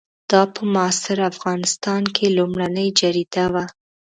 دا په معاصر افغانستان کې لومړنۍ جریده وه.